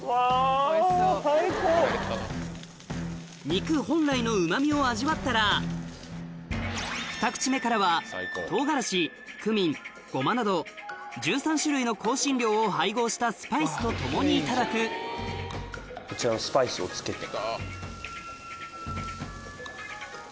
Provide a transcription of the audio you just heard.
肉本来のうま味を味わったらふた口目からは唐辛子クミンごまなど１３種類の香辛料を配合したスパイスとともにいただくこちらのスパイスをつけて。